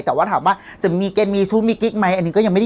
แต่ว่าถามว่าจะมีเกณฑ์มีชู้มีกิ๊กไหมอันนี้ก็ยังไม่ได้